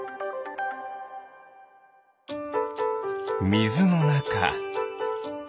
みずのなか。